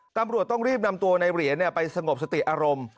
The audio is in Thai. ตำรวจต้องรีบนำตัวในเหรียญไปสงบสติอารมณ์